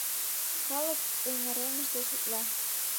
Калык эҥыремыш деч утла